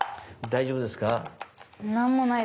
大丈夫ですね？